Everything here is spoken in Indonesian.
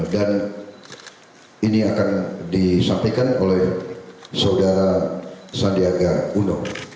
dan ini akan disampaikan oleh saudara sandiaga uno